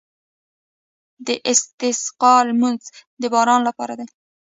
د استسقا لمونځ د باران لپاره دی.